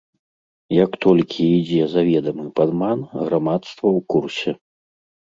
Як толькі ідзе заведамы падман, грамадства ў курсе.